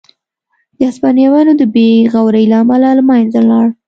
د هسپانویانو د بې غورۍ له امله له منځه لاړ.